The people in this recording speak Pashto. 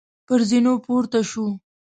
پر زینو پورته شوو.